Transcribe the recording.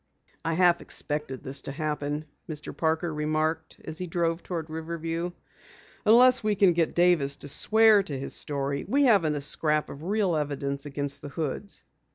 "I half expected this to happen," Mr. Parker remarked as he drove toward Riverview. "Unless we can get Davis to swear to his story, we haven't a scrap of real evidence against the Hoods."